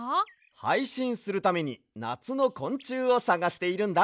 はいしんするためになつのこんちゅうをさがしているんだ。